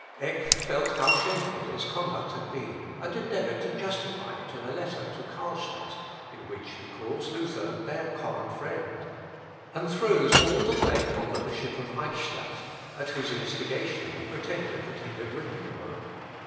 Eck felt how shameful his conduct had been, and endeavoured to justify it in a letter to Carlstadt, in which he calls Luther "their common friend;" and throws all the blame on the Bishop of Eichstadt, at whose instigation he pretended that he had written the work.